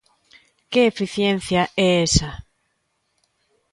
¿Que eficiencia é esa?